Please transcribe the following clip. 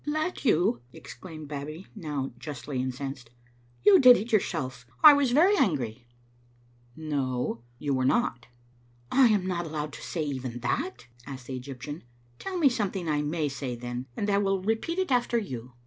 "" Let you !" exclaimed Babbie, now justly incensed. "You did it yourself. I was very angry." Digitized by VjOOQ IC ••No, yoii wefenot." '*I am not allowed to say that evefi?'* asked the Egyptian. " Tell me something I may say, then, and I will repeat it after you."